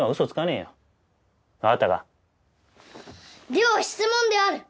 では質問である！